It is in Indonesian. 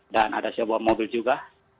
dan ada sebuah mobil juga